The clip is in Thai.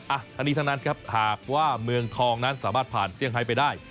ทั้งนี้ทั้งนั้นครับหากว่าเมืองทองนั้นสามารถผ่านเซี่ยงไฮไปได้